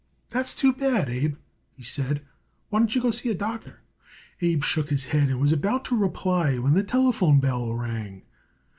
"That's too bad, Abe," he said. "Why don't you see a doctor?" Abe shook his head and was about to reply when the telephone bell rang.